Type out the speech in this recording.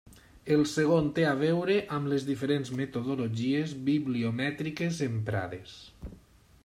El segon té a veure amb les diferents metodologies bibliomètriques emprades.